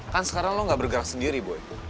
kan sekarang lo nggak bergerak sendiri boy